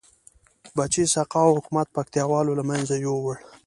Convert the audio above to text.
بچه سقاو حکومت پکتيا والو لمنځه یوړ